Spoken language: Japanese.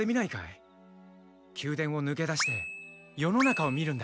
「宮殿を抜け出して世の中を見るんだ」